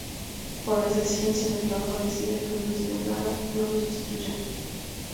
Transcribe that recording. Por las exigencias de su trabajo decide que Luis Vergara lo sustituya.